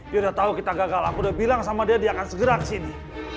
dia udah tahu kita gagal aku udah bilang sama dia dia akan segera kesini